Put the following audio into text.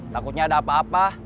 takutnya ada apa apa